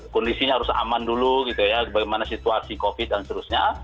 kondisinya harus aman dulu gitu ya bagaimana situasi covid dan seterusnya